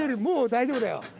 もう大丈夫だよ。